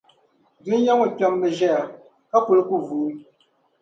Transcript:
Dunia ŋɔ kpɛmmi ʒiɛya, ka kul ku vuui.